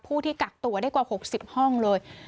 ที่กักตัวได้กว่า๖๐ห้องเลย